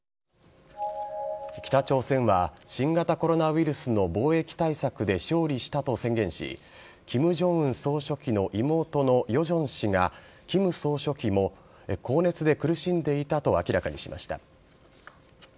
北朝鮮は新型コロナウイルスの防疫対策で勝利したと宣言し金正恩総書記の妹のヨジョン氏が金総書記も高熱で苦しんでいたと明らかにしました。